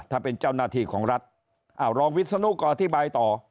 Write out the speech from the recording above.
ถ้าเป็นเจ้าหน้าที่ของรัฐอ้าวรองวิศนุก็อธิบายต่อ